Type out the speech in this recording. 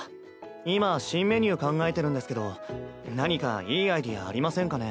今新メニュー考えてるんですけど何かいいアイデアありませんかね？